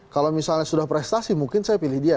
kalau misalnya sudah prestasi mungkin saya pilih dia